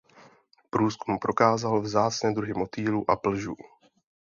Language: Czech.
Průzkum prokázal vzácné druhy motýlů a plžů.